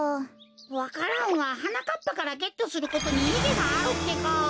わか蘭ははなかっぱからゲットすることにいぎがあるってか。